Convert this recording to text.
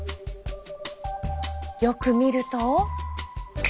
よく見ると。